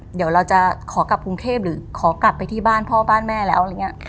เดี๋ยวเราจะขอกลับกรุงเทพหรือขอกลับไปที่บ้านพ่อบ้านแม่แล้วอะไรอย่างนี้